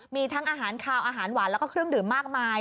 มีทั้งอาหารขาวอาหารหวานแล้วก็เครื่องดื่มมากมาย